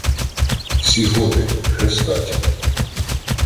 — Всі готи — хрестаті.